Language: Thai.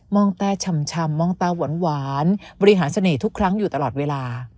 องแต่ชำมองตาหวานบริหารเสน่ห์ทุกครั้งอยู่ตลอดเวลา